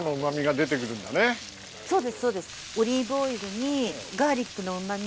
そうですそうです。